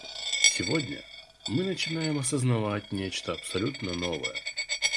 Сегодня мы начинаем осознавать нечто абсолютно новое.